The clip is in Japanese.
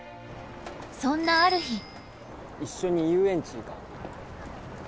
そんなある日一緒に遊園地行かない？